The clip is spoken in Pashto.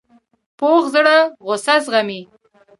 پوخ زړه غصه زغمي